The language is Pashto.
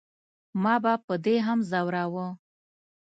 ما به په دې هم زوراوه.